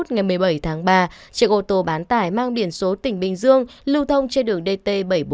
ngày một mươi bảy tháng ba chiếc ô tô bán tải mang biển số tỉnh bình dương lưu thông trên đường dt bảy trăm bốn mươi bốn